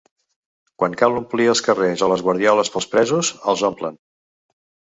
Quan cal omplir els carrers o les guardioles pels presos, els omplen.